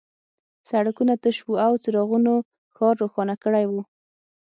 سړکونه تش وو او څراغونو ښار روښانه کړی و